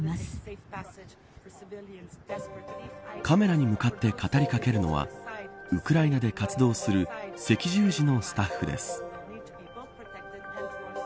カメラに向かって語りかけるのはウクライナで活動する赤十字のスタッフです。